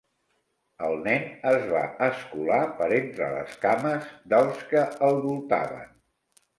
El nen es va escolar per entre les cames dels que el voltaven.